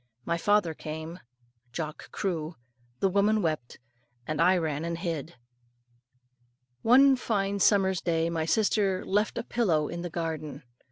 My father came. Jock crew. The woman wept, and I ran and hid. One fine summer's day my sister left a pillow in the garden.